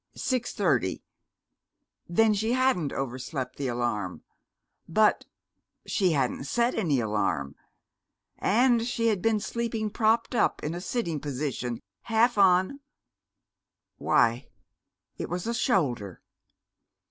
Six thirty. Then she hadn't overslept the alarm. But ... she hadn't set any alarm. And she had been sleeping propped up in a sitting position, half on why, it was a shoulder.